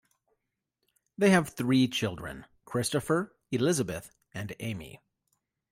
They have three children: Christopher, Elizabeth and Amy.